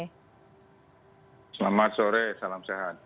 selamat sore salam sehat